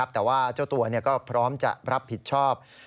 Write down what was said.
แต่ว่าเจ้าตัวก็พร้อมจะรับผิดชอบ